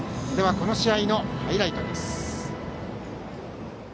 この試合のハイライトです。